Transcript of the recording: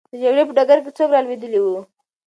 د جګړې په ډګر کې څوک رالوېدلی وو؟